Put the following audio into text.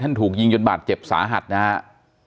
ถูกยิงจนบาดเจ็บสาหัสนะครับ